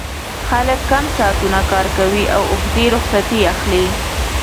خلک کم ساعتونه کار کوي او اوږدې رخصتۍ اخلي